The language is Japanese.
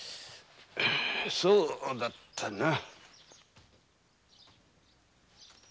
そうだったな。